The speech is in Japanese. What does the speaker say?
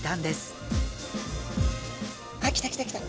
あっ来た来た来た。